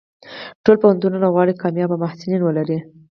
ټول پوهنتونونه غواړي کامیاب محصلین ولري.